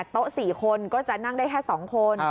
โต๊ะ๔คนก็จะนั่งได้แค่๒คน